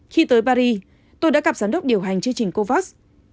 khi tới paris tôi đã gặp giám đốc điều hành chương trình kovat